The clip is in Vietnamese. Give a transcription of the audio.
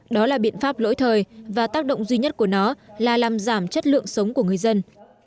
đó là biện pháp lỗi thời và tác động duy nhất của nó là làm giảm chất lượng sống của người dân